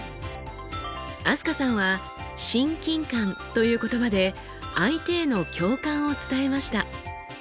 飛鳥さんは「親近感」という言葉で相手への共感を伝えました。